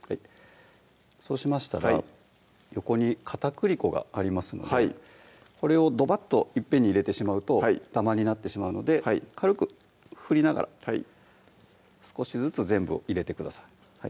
そうしましたら横に片栗粉がありますのでこれをドバッといっぺんに入れてしまうとダマになってしまうので軽く振りながら少しずつ全部入れてください